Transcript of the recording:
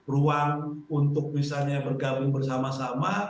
ruang untuk misalnya bergabung bersama sama